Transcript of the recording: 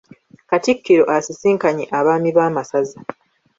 Katikkiro asisinkanye Abaami b'amasaza.